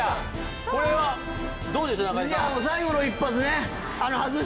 これはどうでしょう中居さん